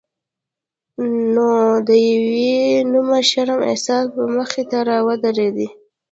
نو د یو بې نومه شرم احساس به مخې ته راته ودرېد.